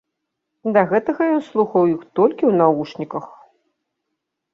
Да гэтага ён слухаў іх толькі ў навушніках!